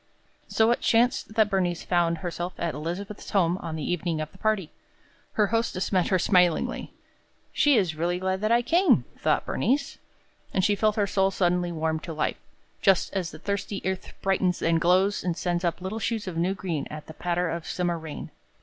So it chanced that Bernice found herself at Elizabeth's home on the evening of the party. Her hostess met her smilingly. "She is really glad that I came," thought Bernice. And she felt her soul suddenly warm to life, just as the thirsty earth brightens and glows and sends up little shoots of new green at a patter of summer rain.